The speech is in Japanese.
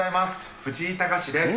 藤井隆です。